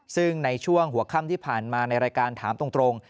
ซึ่งในช่วงหัวค่ำที่ผ่านมาในรายการถามตรง